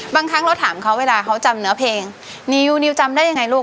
ครั้งเราถามเขาเวลาเขาจำเนื้อเพลงนิวนิวจำได้ยังไงลูก